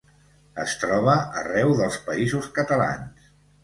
Es troba arreu dels Països Catalans.